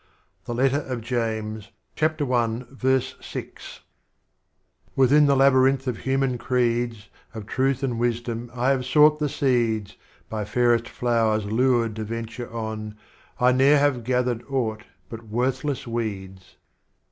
— James I., 6. \X/ithin the Labyrinth of Human Creeds, Of Truth and Wisdom I have sought the Seeds, By fairest Flowers lured to venture on, I ne'er have gathered Aught but worthless Weeds.